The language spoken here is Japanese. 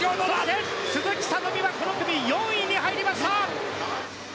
鈴木聡美はこの組４位に入りました。